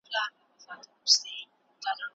څېړونکی د متن جوړښت څنګه تشریح کوي؟